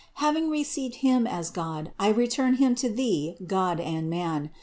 Having received Him as God, I re turn Him to Thee God and man.